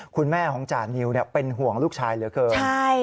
คุณแม่ของจานิวเป็นห่วงลูกชายเหลือเกิน